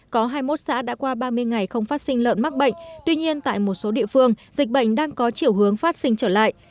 có hai mươi một xã đã qua ba mươi ngày không phát sinh lợn mắc bệnh tuy nhiên tại một số địa phương dịch bệnh đang có chiều hướng phát sinh trở lại